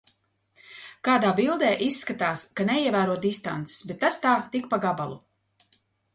Kādā bildē izskatās, ka neievēro distances, bet tas tā tik pa gabalu.